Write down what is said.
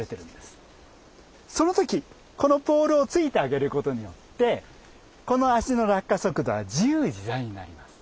その時このポールを突いてあげることによってこの脚の落下速度は自由自在になります。